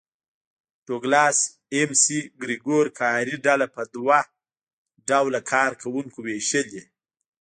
ډوګلاس اېم سي ګرېګور کاري ډله په دوه ډوله کار کوونکو وېشلې.